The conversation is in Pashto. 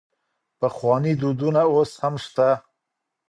پخواني دودونه اوس هم سته.